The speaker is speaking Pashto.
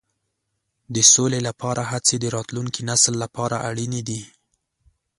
د سولې لپاره هڅې د راتلونکي نسل لپاره اړینې دي.